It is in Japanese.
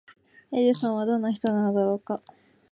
エジソンはどんな人なのだろうか？